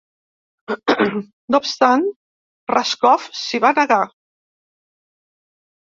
No obstant, Raskob s'hi va negar.